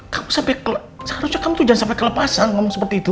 kamu sampai kelepasan kamu jangan sampai kelepasan ngomong seperti itu